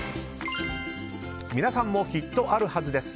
皆さんもきっとあるはずです。